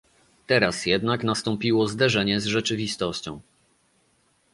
Teraz jednak nastąpiło zderzenie z rzeczywistością